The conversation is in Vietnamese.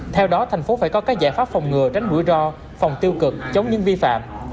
theo đó tp hcm phải có các giải pháp phòng ngừa tránh nguy rô phòng tiêu cực chống những vi phạm